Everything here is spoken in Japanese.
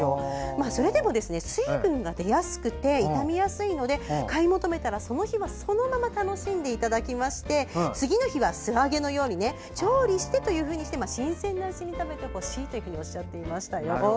それでも、水分が出やすくて傷みやすいので買い求めたらその日はそのまま楽しんでいただきまして次の日には素揚げのように調理してというふうに新鮮なうちに食べてほしいとおっしゃっていましたよ。